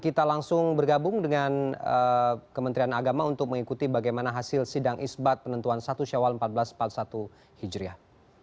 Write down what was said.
kita langsung bergabung dengan kementerian agama untuk mengikuti bagaimana hasil sidang isbat penentuan satu syawal seribu empat ratus empat puluh satu hijriah